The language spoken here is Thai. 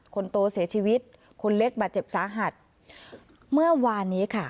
คนโตเสียชีวิตคนเล็กบาดเจ็บสาหัสเมื่อวานนี้ค่ะ